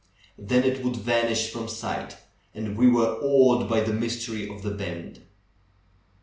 Then it would vanish from sight, and we were awed by the mystery of the bend.